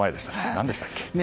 何でしたっけ？